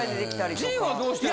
陣はどうしてんの？